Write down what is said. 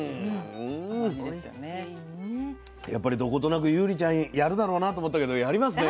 やっぱりどことなくユウリちゃんやるだろうなと思ったけどやりますね